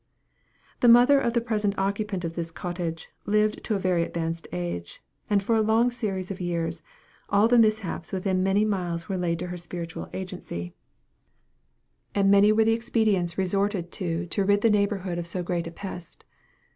The mother of the present occupant of this cottage lived to a very advanced age; and for a long series of years, all the mishaps within many miles were laid to her spiritual agency; and many were the expedients resorted to to rid the neighborhood of so great a pest.